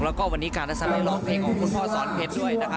แล้วก็วันนี้การทัศนัยร้องเพลงของคุณพ่อสอนเพชรด้วยนะคะ